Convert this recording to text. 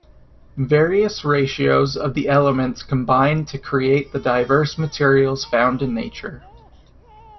Various ratios of the elements combine to create the diverse materials found in nature.